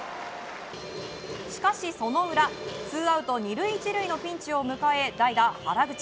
しかし、その裏ツーアウト２塁１塁のピンチを迎え代打、原口。